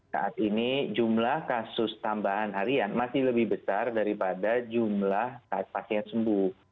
saat ini jumlah kasus tambahan harian masih lebih besar daripada jumlah pasien sembuh